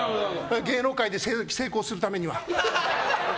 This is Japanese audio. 芸能界で成功するためには。